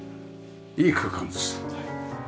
いい空間です。